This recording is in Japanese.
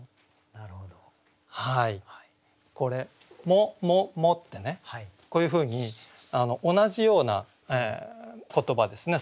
「も」ってねこういうふうに同じような言葉ですね